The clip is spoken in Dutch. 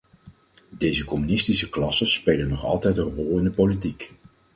Deze communistische klassen spelen nog altijd een rol in de politiek.